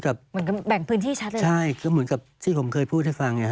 ก็เหมือนกับใช่ก็เหมือนกับที่ผมเคยพูดให้ฟัง